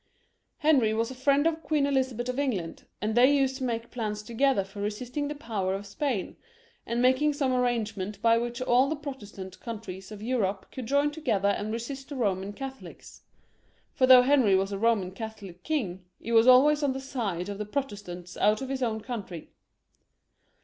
Henry was a friend of Queen Elizabeth of England, and they used to make plans together for resisting the power of Spain, and making some arrangement by which aU the Protestant countries of Europe could join together and resist the Eoman Catholics ; for though Henry was a Eoman Catholic king, he was always on the side of the Protestants out of his own country.